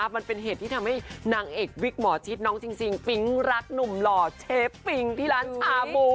มันเป็นเหตุที่ทำให้นางเอกวิกหมอชิดน้องจริงปิ๊งรักหนุ่มหล่อเชฟปิงที่ร้านชาบู